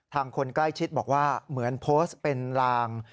คนใกล้ชิดบอกว่าเหมือนโพสต์เป็นลาง